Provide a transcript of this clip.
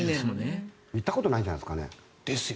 行ったことないんじゃないですかね？